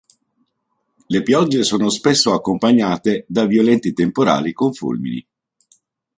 Le piogge sono spesso accompagnate da violenti temporali con fulmini.